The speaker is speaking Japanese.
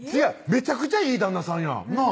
めちゃくちゃいい旦那さんやん